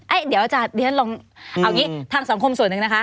เอ้ยเดี๋ยวอาจารย์เราลองเอางี้ทางสังคมส่วนนึงนะคะ